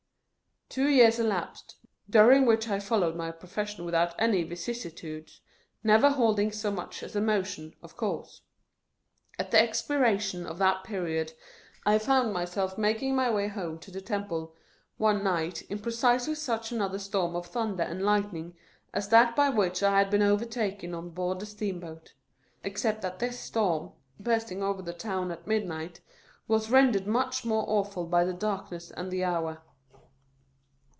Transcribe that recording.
Two years elapsed, during which I followed my profession without any vicissitudes ; never holding so much as a motion, of course. At the expiration of that period, I found myself making my way home to the Temple, one night, in precisely such another storm of thunder and lightning as that by which I had been overtaken on board the steam boat — except that this storm, bursting over the town at midnight, was rendered much more awful by the darkness and the hour.